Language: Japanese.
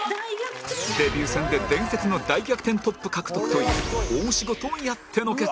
デビュー戦で伝説の大逆転トップ獲得という大仕事をやってのけた